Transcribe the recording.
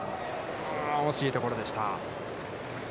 惜しいところでした。